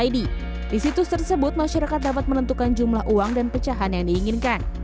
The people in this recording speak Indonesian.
di situs tersebut masyarakat dapat menentukan jumlah uang dan pecahan yang diinginkan